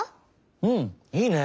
うんいいね！